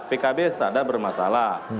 pkb sadar bermasalah